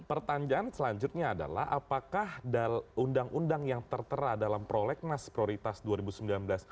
pertanyaan selanjutnya adalah apakah undang undang yang tertera dalam prolegnas prioritas dua ribu sembilan belas